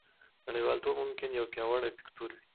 نړیوالتوب ممکن یو پیاوړی فکتور وي